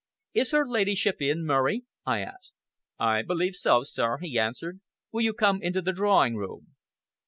"Is her Ladyship in, Murray?" I asked. "I believe so, sir," he answered. "Will you come into the drawing room?"